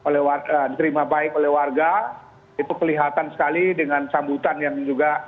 diterima baik oleh warga itu kelihatan sekali dengan sambutan yang juga